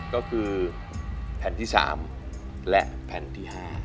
ก็คือแผ่นที่สามและแผ่นที่ห้า